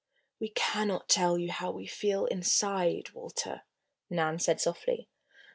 "We cannot tell you how we feel, inside, Walter," Nan said softly.